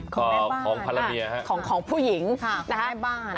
ของแม่บ้านของพาละเมียฮะของของผู้หญิงค่ะของแม่บ้าน